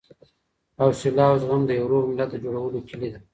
حوصله او زغم د یوه روغ ملت د جوړولو کیلي ده.